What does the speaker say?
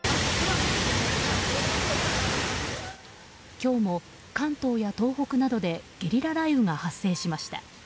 今日も、関東や東北などでゲリラ雷雨が発生しました。